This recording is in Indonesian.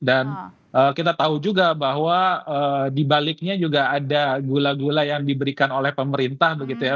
kita tahu juga bahwa dibaliknya juga ada gula gula yang diberikan oleh pemerintah begitu ya